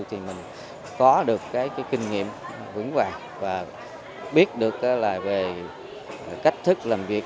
thì mình có được kinh nghiệm vững vàng và biết được về cách thức làm việc